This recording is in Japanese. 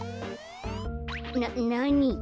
ななに？